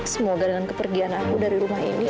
semoga dengan kepergian aku dari rumah ini